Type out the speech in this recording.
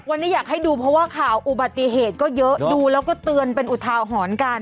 วันนี้อยากให้ดูเพราะว่าข่าวอุบัติเหตุก็เยอะดูแล้วก็เตือนเป็นอุทาหรณ์กัน